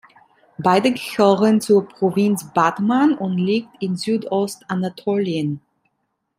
Beide gehören zur Provinz Batman und liegt in Südostanatolien.